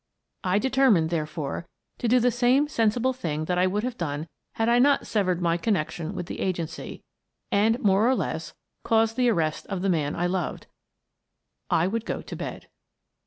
I determined, therefore, to do the same sensible thing that I would have done had I not severed my connection with the agency, and, more or less, caused the arrest of the man I loved: I would go to bed.